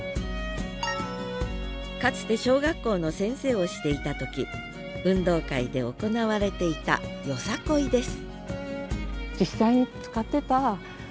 かつて小学校の先生をしていた時運動会で行われていた「よさこい」です